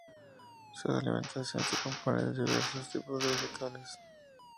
Su alimentación se compone de diversos tipos de vegetales.